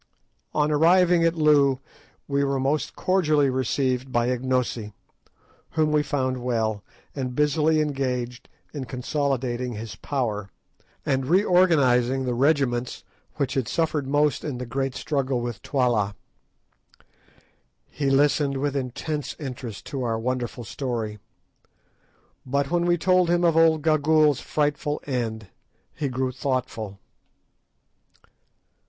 On arriving at Loo we were most cordially received by Ignosi, whom we found well, and busily engaged in consolidating his power, and reorganising the regiments which had suffered most in the great struggle with Twala. He listened with intense interest to our wonderful story; but when we told him of old Gagool's frightful end he grew thoughtful.